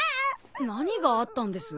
何があったんです？